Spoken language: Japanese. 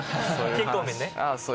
健康面ね。